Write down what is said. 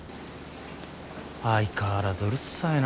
相変わらずうるさいな。